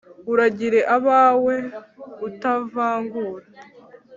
Uragire abawe utavangura